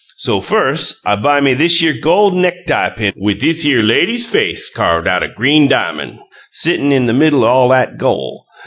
So firs', I buy me thishere gol' necktie pin wi' thishere lady's face carved out o' green di'mon', sittin' in the middle all 'at gol'.